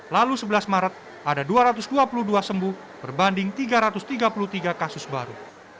lalu sebelas maret ada dua ratus dua puluh dua sembuh berbanding tiga ratus tiga puluh tiga kasus baru